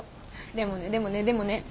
でもねでもねでもね。